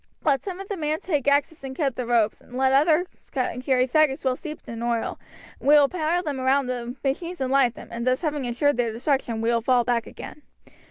Let some of the men take axes and cut the ropes, and let others carry faggots well steeped in oil, we will pile them round the machines and light them, and thus having ensured their destruction, we will fall back again."